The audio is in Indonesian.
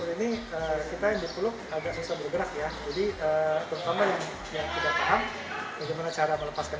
nanti saya akan dibantu oleh sen patricia misalnya kondisinya saya sudah dikeluk dari belakang seperti ini apa yang bisa saya lakukan